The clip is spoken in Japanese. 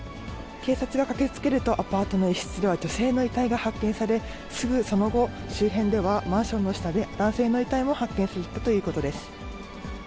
警察が駆けつけると、アパートの一室では女性の遺体が発見され、すぐその後、周辺ではマンションの下で男性の遺体も発見されたということです。